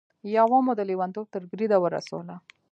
يوه مو د لېونتوب تر بريده ورسوله.